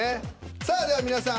さあでは皆さん